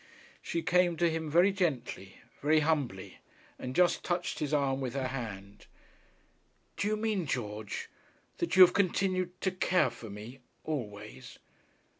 She came to him very gently, very humbly, and just touched his arm with her hand. 'Do you mean, George, that you have continued to care for me always?'